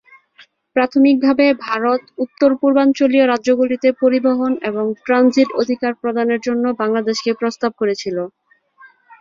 প্রাথমিকভাবে ভারত উত্তর-পূর্বাঞ্চলীয় রাজ্যগুলিতে পরিবহন এবং ট্রানজিট অধিকার প্রদানের জন্য বাংলাদেশকে প্রস্তাব করেছিল।